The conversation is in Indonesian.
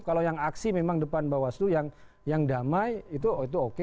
kalau yang aksi memang depan bawaslu yang damai itu oke